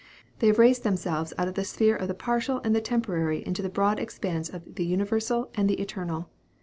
They have raised themselves out of the sphere of the partial and the temporary into the broad expanse of the universal and the eternal.